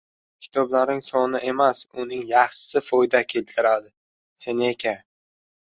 Kitoblarning soni emas, uning yaxshisi foyda keltiradi. Seneka